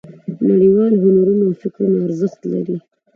نړیوال هنرونه او فکرونه ارزښت لري.